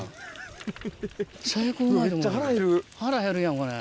腹へるやんこれ。